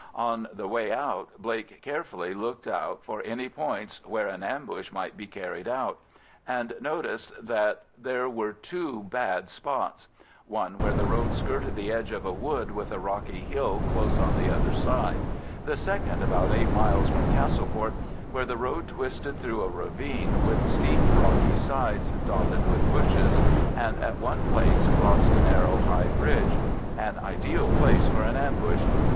On the way out Blake carefully looked out for any points where an ambush might be carried out, and noticed that there were two bad spots: one where the road skirted the edge of a wood with a rocky hill close on the other side; the second, about eight miles from Castleport, where the road twisted through a ravine with steep rocky sides dotted with bushes, and at one place crossed a narrow high bridge—an ideal place for an ambush.